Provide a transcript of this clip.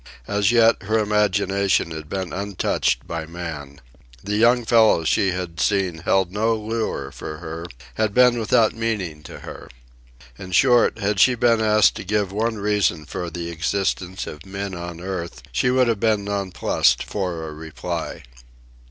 As yet, her imagination had been untouched by man. The young fellows she had seen had held no lure for her, had been without meaning to her. In short, had she been asked to give one reason for the existence of men on the earth, she would have been nonplussed for a reply.